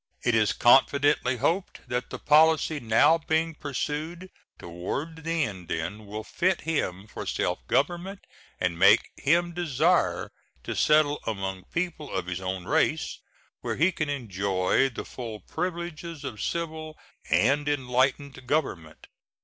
It is confidently hoped that the policy now being pursued toward the Indian will fit him for self government and make him desire to settle among people of his own race where he can enjoy the full privileges of civil and enlightened government.